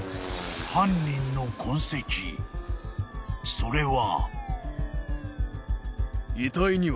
［それは］